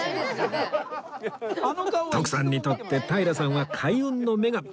徳さんにとって平さんは開運の女神